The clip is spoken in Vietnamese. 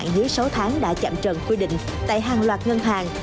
những ngân hàng dưới sáu tháng đã chạm trần quy định tại hàng loạt ngân hàng